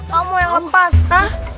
kamu yang lepas ah